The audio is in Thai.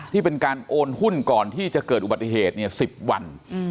ที่เป็นการโอนหุ้นก่อนที่จะเกิดอุบัติเหตุ๑๐วัน